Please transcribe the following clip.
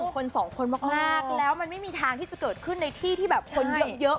คนสองคนมากแล้วมันไม่มีทางที่จะเกิดขึ้นในที่ที่แบบคนเยอะ